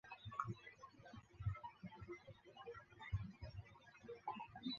特里试着成为派对的核心人物。